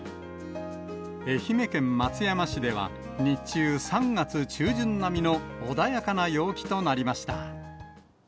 愛媛県松山市では日中、３月中旬並みの穏やかな陽気となりました。